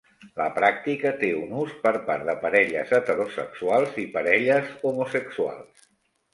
La pràctica té un ús per part de parelles heterosexuals i parelles homosexuals.